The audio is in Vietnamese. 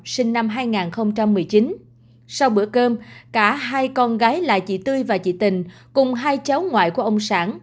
sau bữa cơm cả hai con gái là chị tươi và chị tình cùng hai cháu ngoại của ông sản